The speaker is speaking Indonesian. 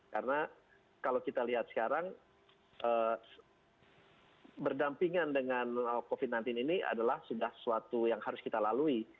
karena kalau kita lihat sekarang berdampingan dengan covid sembilan belas ini adalah sudah sesuatu yang harus kita lalui